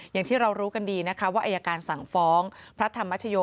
อย่างที่เรารู้กันดีนะคะว่าอายการสั่งฟ้องพระธรรมชโย